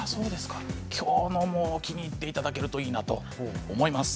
今日の気に入っていただけるといいなと思います。